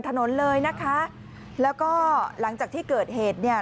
ถนนเลยนะคะแล้วก็หลังจากที่เกิดเหตุเนี่ย